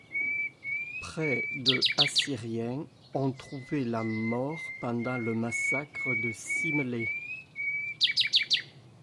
Près de assyriens ont trouvé la mort pendant le massacre de Simelé.